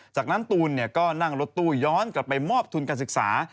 จากนั้นตูนก็นั่งรถตู้ย้อนกลับไปมอบทุนการศึกษา